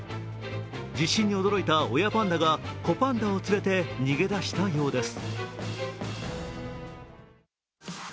地震に驚いた親パンダが子パンダを連れて逃げ出したようです。